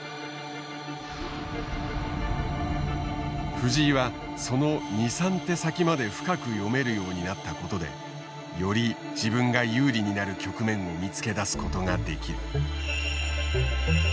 藤井はその２３手先まで深く読めるようになったことでより自分が有利になる局面を見つけ出すことができる。